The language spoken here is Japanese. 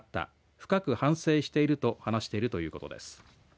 深く反省していると話しているということです。